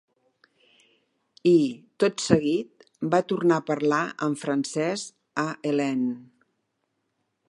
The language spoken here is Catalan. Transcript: I, tot seguit, va tornar a parlar en francès a Helene.